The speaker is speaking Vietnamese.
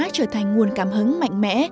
trở thành nguồn cảm hứng mạnh mẽ